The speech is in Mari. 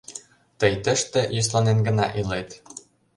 Тый тыште йӧсланен гына илет.